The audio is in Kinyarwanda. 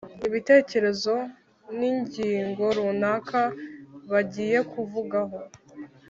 ibitekerezo n’ingingo runaka bagiye kuvugaho